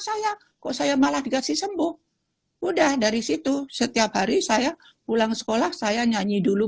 saya kok saya malah dikasih sembuh udah dari situ setiap hari saya pulang sekolah saya nyanyi dulu